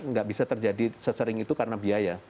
nggak bisa terjadi sesering itu karena biaya